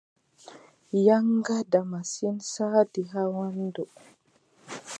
Yaŋgada masin, saati haa waandu.